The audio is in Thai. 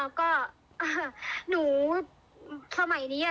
แล้วก็ขอพ้อนก็คือหยิบมาเลยค่ะพี่หมดำ